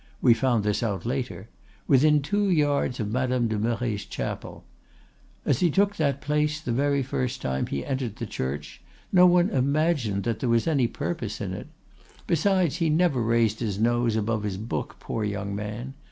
—we found this out later.—Within two yards of Madame de Merret's chapel. As he took that place the very first time he entered the church, no one imagined that there was any purpose in it. Besides, he never raised his nose above his book, poor young man!